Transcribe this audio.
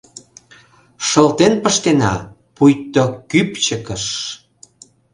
Шылтен пыштена, пуйто кӱпчыкыш, —